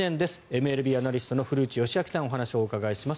ＭＬＢアナリストの古内義明さんにお話をお伺いします。